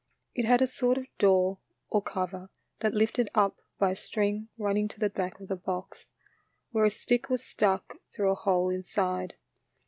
It had a sort of door, or cover, that lifted up by a string running to the back of the box, where a stick was stuck through a hole inside.